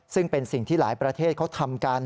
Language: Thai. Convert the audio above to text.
ซึ่งเป็นสิ่งที่หลายประเทศเขาทำกัน